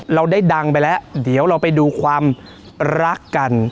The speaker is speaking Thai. เราได้ดังไปแล้วเดี๋ยวเราไปดูความรักกัน